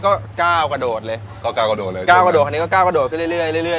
ก็ก้าวกระโดดเลยก็ก้าวกระโดดเลยก้าวกระโดดคันนี้ก็ก้าวกระโดดไปเรื่อยเรื่อย